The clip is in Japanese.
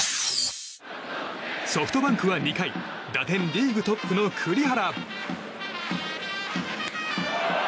ソフトバンクは２回打点リーグトップの栗原。